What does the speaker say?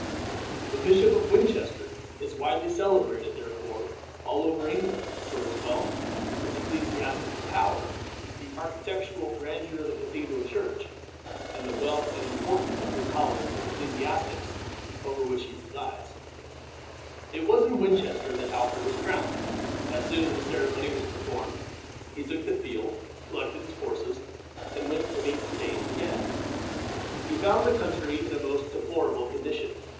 The Bishop of Winchester is widely celebrated, therefore, all over England, for his wealth, his ecclesiastical power, the architectural grandeur of the Cathedral church, and the wealth and importance of the college of ecclesiastics over which he presides. [Illustration: CORONATION CHAIR.] It was in Winchester that Alfred was crowned. As soon as the ceremony was performed, he took the field, collected his forces, and went to meet the Danes again. He found the country in a most deplorable condition.